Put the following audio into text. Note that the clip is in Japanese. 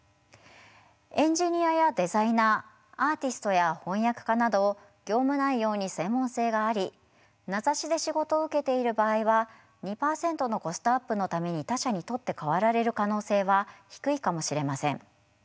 エンジニアやデザイナーアーティストや翻訳家など業務内容に専門性があり名指しで仕事を受けている場合は２％のコストアップのために他者に取って代わられる可能性は低いかもしれません。